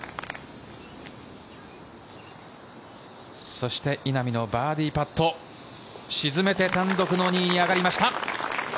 そして、稲見のバーディーパット沈めて単独の２位に上がりました。